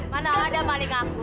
mana ada maling aku